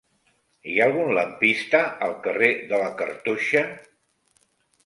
Hi ha algun lampista al carrer de la Cartoixa?